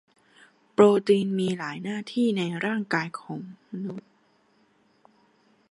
โปรตีนมีหลายหน้าที่ในร่ายกายมนุษย์